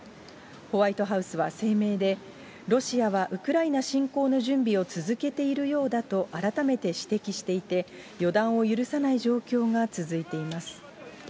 ホワイトハウスは声明で、ロシアはウクライナ侵攻の準備を続けているようだと改めて指摘していて、予断を許さない状況が続いています。